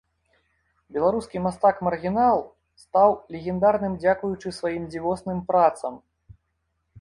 Беларускі мастак-маргінал стаў легендарным дзякуючы сваім дзівосным працам.